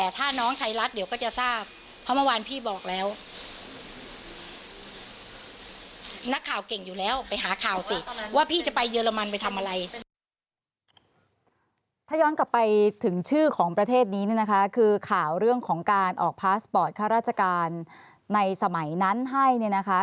ถ้าย้อนกลับไปถึงชื่อของประเทศนี้เนี่ยนะคะคือข่าวเรื่องของการออกพาสปอร์ตข้าราชการในสมัยนั้นให้เนี่ยนะคะ